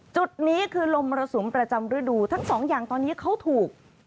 จุดนี้คือลมมรสุมประจำฤดูทั้งสองอย่างตอนนี้เขาถูก